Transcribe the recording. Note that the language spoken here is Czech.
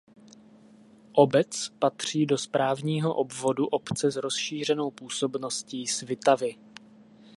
Obec patří do správního obvodu obce s rozšířenou působností Svitavy.